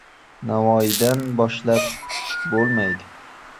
— Navoiydan boshlab bo‘lmaydi!